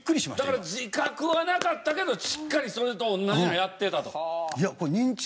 だから自覚はなかったけどしっかりそれと同じのやってたと。